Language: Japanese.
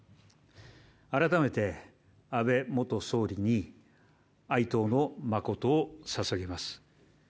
改めて安倍元総理に哀悼の誠をささげます。